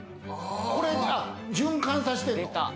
これで循環させてんの。